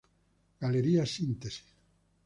Galería Síntesis.